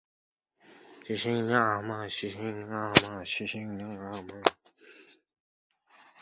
• Aqlli o‘z xatosini o‘zi payqaydi.